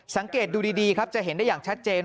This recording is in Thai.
สังเกตดูดีครับจะเห็นได้อย่างชัดเจน